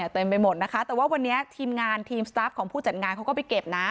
เต็มไปหมดนะคะแต่ว่าวันนี้ทีมงานทีมสตาร์ฟของผู้จัดงานเขาก็ไปเก็บนะ